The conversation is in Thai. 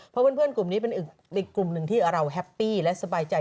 เพราะเพื่อนกลุ่มนี้เป็นอีกกลุ่มหนึ่งที่เราแฮปปี้และสบายใจ